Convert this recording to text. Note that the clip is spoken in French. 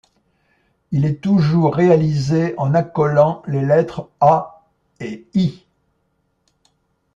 Il est toujours réalisé en accolant les lettres A et Í.